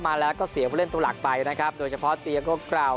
การเสริมเข้ามาแล้วก็เสียเพื่อเล่นตัวหลักไปนะครับโดยเฉพาะเตียงกล้า